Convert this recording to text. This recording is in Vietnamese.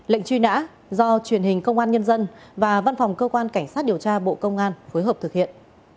lệnh truy nã do truyền hình công an nhân dân và văn phòng cơ quan cảnh sát điều tra bộ công an phối hợp thực hiện